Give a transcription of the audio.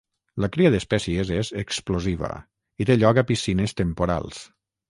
La cria d'espècies és explosiva i té lloc a piscines temporals.